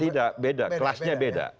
tidak beda kelasnya beda